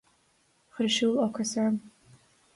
Chuir an siúl ocras orm.